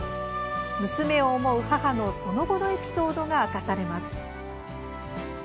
娘を思う母の、その後のエピソードが明かされます。